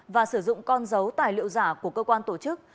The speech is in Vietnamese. và sử dụng con dấu tài liệu giả của cơ quan tổ chức